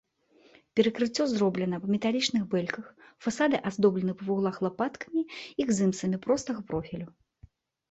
Перакрыццё зроблена па металічных бэльках, фасады аздоблены па вуглах лапаткамі і гзымсамі простага профілю.